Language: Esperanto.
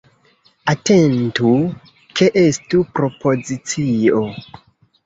Atentu ke estu propozicio.